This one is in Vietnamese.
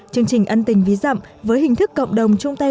chương trình ân tình ví dặm với hình thức cộng đồng trung tây